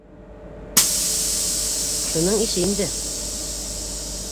Шуның ише инде.